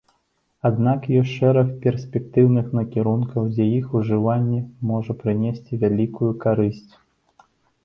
Аднак ёсць шэраг перспектыўных накірункаў, дзе іх ужыванне можа прынесці вялікую карысць.